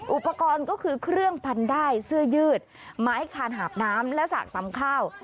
อุปกรณ์ก็คือเครื่องพันได้เสื้อยืดไม้คานหาบน้ำและสากตำข้าว